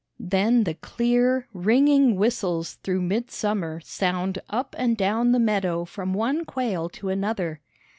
Then the clear, ringing whistles through midsummer sound up and down the meadow from one quail to another.